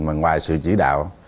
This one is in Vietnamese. mà ngoài sự chỉ đạo